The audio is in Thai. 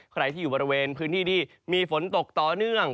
ใครที่อยู่บริเวณพื้นที่ที่มีฝนตกต่อเนื่อง